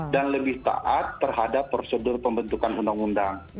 dan lebih taat terhadap prosedur pembentukan undang undang